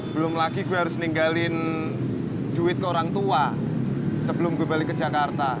belum lagi gue harus ninggalin duit ke orang tua sebelum gue balik ke jakarta